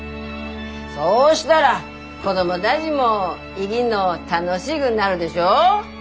そうしたら子供だぢも生ぎんの楽しぐなるでしょう。